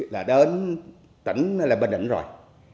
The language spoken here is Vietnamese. là đến tỉnh bình định rồi